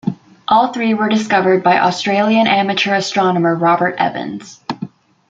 All three were discovered by Australian amateur astronomer Robert Evans.